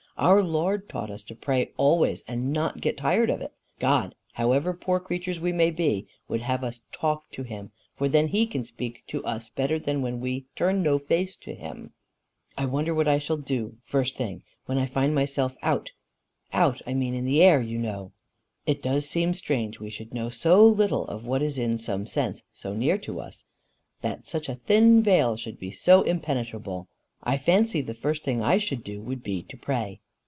Our Lord taught us to pray always and not get tired of it. God, however poor creatures we may be, would have us talk to him, for then he can speak to us better than when we turn no face to him." "I wonder what I shall do the first thing when I find myself out out, I mean, in the air, you know." "It does seem strange we should know so little of what is in some sense so near us! that such a thin veil should be so impenetrable! I fancy the first thing I should do would be to pray."